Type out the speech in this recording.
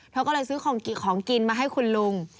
เธอก็เลยซื้อของกินมาให้คุณลุง